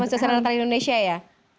kangen sama suasana natal indonesia ya